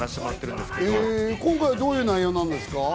今回はどういう内容ですか？